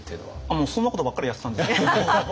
もうそんなことばっかりやってたんですけども。